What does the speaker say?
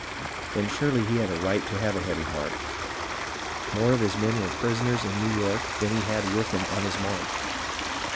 And surely he had a right to have a heavy heart. More of his men were prisoners in New York than he had with him on his march.